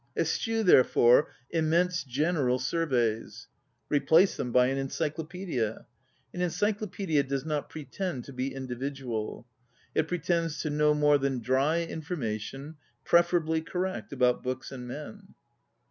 Eschew, therefore, immense gen eral surveys 1 Replace them by an encyclopaedia! An encyclopaedia does not pretend to be individual. It pre tends to no more than dry iaforma tion, preferably correct, about books and men.